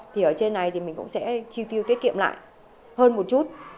thì ở trên này thì mình cũng sẽ chi tiêu tiết kiệm lại hơn một chút